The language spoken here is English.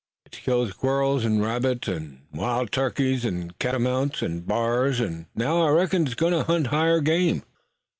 It's killed squirrels, an' rabbits, an' wil' turkeys an' catamounts, an' b'ars, an' now I reckon it's goin' to hunt higher game."